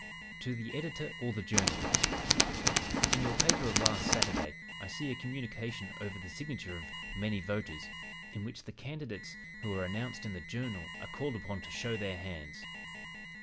"TO THE EDITOR OR THE JOURNAL: "In your paper of last Saturday I see a communication over the signature of 'Many Voters' in which the candidates who are announced in the Journal are called upon to 'show their hands.'